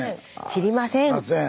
知りません。